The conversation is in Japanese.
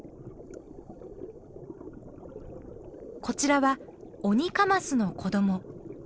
こちらはオニカマスの子ども。